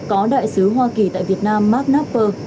có đại sứ hoa kỳ tại việt nam mark knopper